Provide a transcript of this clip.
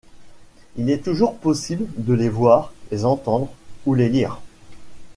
Il est toujours possible de les voir, les entendre ou les lire.